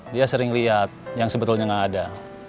dia sering lihat yang sebetulnya nggak ada